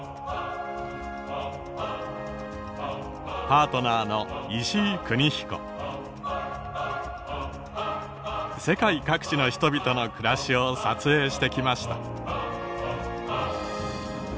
パートナーの世界各地の人々の暮らしを撮影してきました。